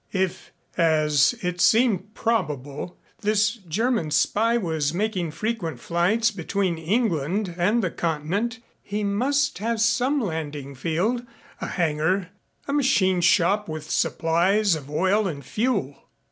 If, as it seemed probable, this German spy was making frequent flights between England and the continent, he must have some landing field, a hangar, a machine shop with supplies of oil and fuel.